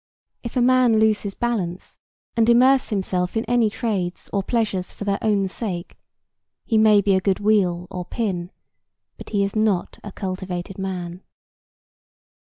If a man lose his balance and immerse himself in any trades or pleasures for their own sake, he may be a good wheel or pin, but he is not a cultivated man.